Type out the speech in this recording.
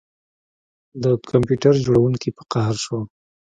د کمپیوټر جوړونکي په قهر شو